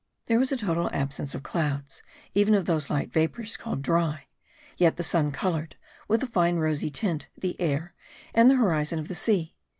There was a total absence of clouds, even of those light vapours called dry; yet the sun coloured, with a fine rosy tint, the air and the horizon of the sea.